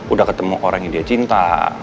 udah ketemu orang yang dia cinta